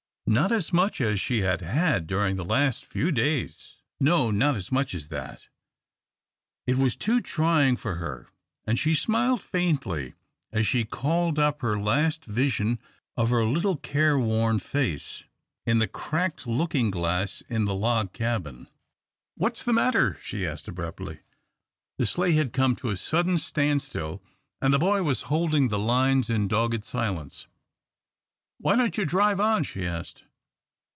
Not as much as she had had during the last few days no, not as much as that. It was too trying for her, and she smiled faintly as she called up her last vision of her little careworn face in the cracked looking glass in the log cabin. "What's the matter?" she asked, abruptly. The sleigh had come to a sudden standstill, and the boy was holding the lines in dogged silence. "Why don't you drive on?" she asked.